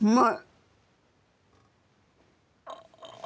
ไม่